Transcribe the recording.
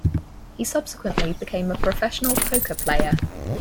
He subsequently became a professional poker player.